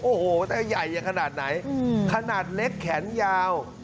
โอ้โหแต่ใหญ่ขนาดไหนขนาดเล็กแขนยาว